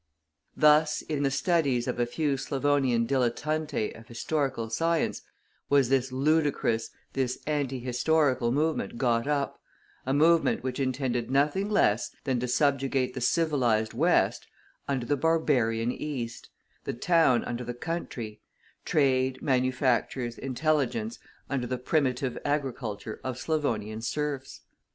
Thus in the studies of a few Slavonian dilettanti of historical science was this ludicrous, this anti historical movement got up, a movement which intended nothing less than to subjugate the civilized West under the barbarian East, the town under the country, trade, manufactures, intelligence, under the primitive agriculture of Slavonian serfs.